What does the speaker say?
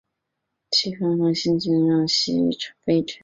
两汉和西晋则让西域臣服。